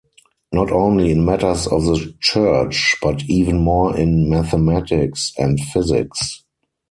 Not only in matters of the church, but even more in mathematics and physics.